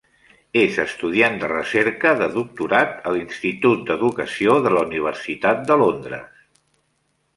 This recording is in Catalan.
És estudiant de recerca de doctorat a l'Institut d'Educació de la University of London.